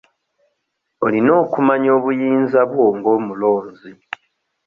Olina okumanya obuyinza bwo ng'omulonzi.